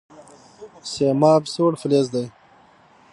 سیماب څه ډول فلز دی؟